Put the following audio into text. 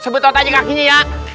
sebetot aja kakinya ya